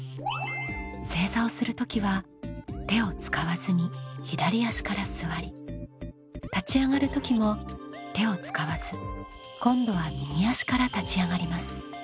正座をする時は手を使わずに左足から座り立ち上がる時も手を使わず今度は右足から立ち上がります。